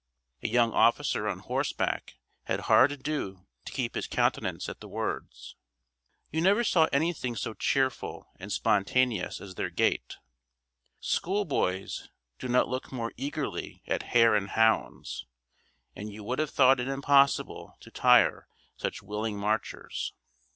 A young officer on horseback had hard ado to keep his countenance at the words. You never saw anything so cheerful and spontaneous as their gait; schoolboys do not look more eagerly at hare and hounds; and you would have thought it impossible to tire such willing marchers.